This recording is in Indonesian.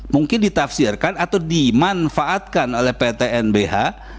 mungkin ditafsirkan atau dimanfaatkan oleh pt nbh